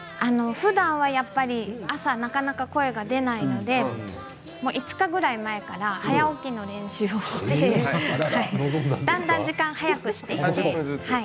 ふだんやっぱり朝なかなか声が出ないので５日ぐらい前から早起きの練習をしてだんだん時間を早くしていって。